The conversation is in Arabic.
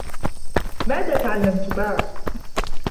ماذا تعلّمتما ؟